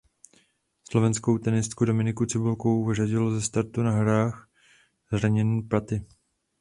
Slovenskou tenistku Dominiku Cibulkovou vyřadilo ze startu na hrách zranění paty.